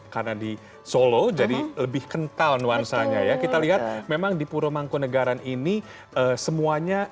karena di solo jadi lebih kental nuansanya ya kita lihat memang di purwomongkonegaran ini semuanya